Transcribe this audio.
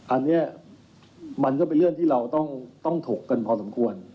อันนี้มันก็เป็นเรื่องที่เราต้องถกกันพอสมควร